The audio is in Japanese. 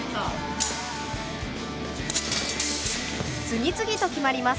次々と決まります。